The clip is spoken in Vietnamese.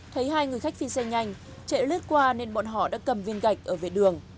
thấy hai người khách phi xe nhanh chạy lướt qua nên bọn họ đã cầm viên gạch ở vệ đường